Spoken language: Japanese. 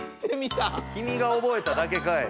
きみがおぼえただけかい。